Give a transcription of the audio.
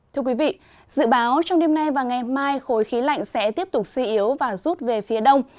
thưa quý vị dự báo trong đêm nay và ngày mai khối khí lạnh sẽ tiếp tục suy yếu và rút về phía đông